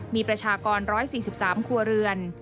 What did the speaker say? มีประชากร๑๔๓ครัวเรือน